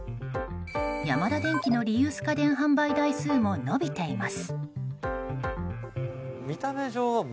ヤマダデンキのリユース家電販売台数も伸びています。